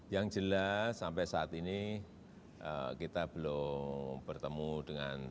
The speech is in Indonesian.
yang jelas sampai saat ini kita belum bertemu dengan